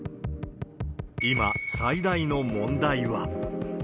今、最大の問題は。